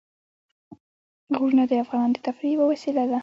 غرونه د افغانانو د تفریح یوه وسیله ده.